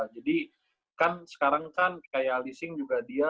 jadi kan sekarang kan kayak alising juga dia